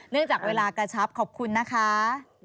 เนื่องจากเวลากระชับขอบคุณนะคะ